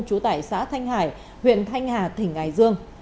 chú tải xã thanh hải huyện thanh hà tỉnh ngài dương